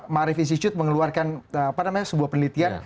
ma'arif institute mengeluarkan sebuah penelitian